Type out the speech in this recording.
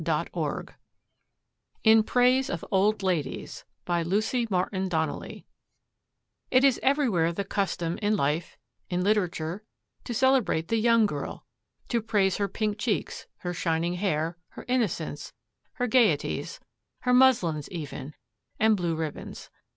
In Praise of Old Ladies By Lucy Martin Donnelly It is everywhere the custom, in life, in literature, to celebrate the young girl; to praise her pink cheeks, her shining hair, her innocence, her gayeties her muslins, even, and blue ribbons.